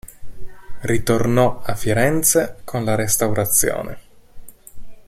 Ritornò a Firenze con la Restaurazione.